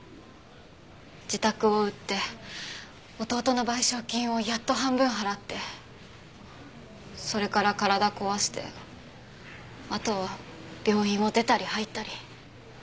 自宅を売って弟の賠償金をやっと半分払ってそれから体壊してあとは病院を出たり入ったり。